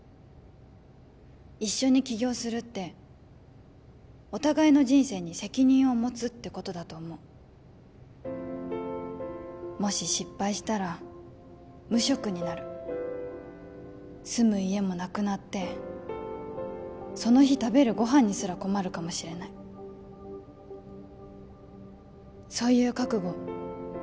一緒に起業するってお互いの人生に責任を持つってことだと思うもし失敗したら無職になる住む家もなくなってその日食べるご飯にすら困るかもしれないそういう覚悟